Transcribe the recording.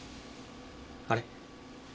あれ？